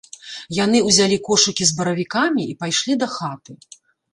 Яны ўзялі кошыкі з баравікамі і пайшлі дахаты.